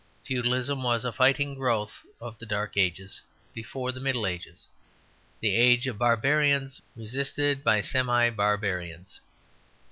Feudalism was a fighting growth of the Dark Ages before the Middle Ages; the age of barbarians resisted by semi barbarians.